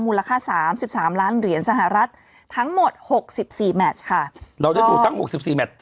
สามสิบสามล้านเหรียญสหรัฐทั้งหมดหกสิบสี่แมชค่ะเราได้ดูตั้งหกสิบสี่แมท